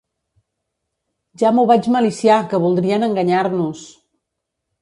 Ja m'ho vaig maliciar, que voldrien enganyar-nos!